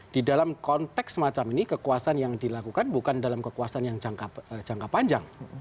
di dalam konteks semacam ini kekuasaan yang dilakukan bukan dalam kekuasaan yang jangka panjang